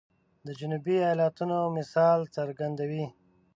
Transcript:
د جنوبي ایالاتونو مثال څرګندوي.